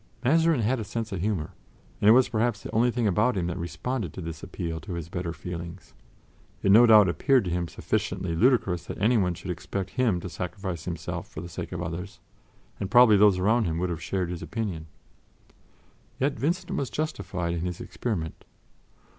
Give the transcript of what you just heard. Mazarin had a sense of humor, and it was perhaps the only thing about him that responded to this appeal to his better feelings. It no doubt appeared to him sufficiently ludicrous that anyone should expect him to sacrifice himself for the sake of others, and probably those around him would have shared his opinion. Yet Vincent was justified in his experiment.